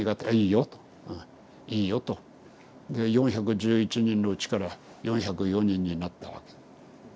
「ああいいよ」と「いいよ」と。で４１１人のうちから４０４人になったわけ。